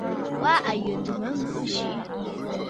Wâ à yə̀tə̂ mə ŋgɨʼɨ siʼi.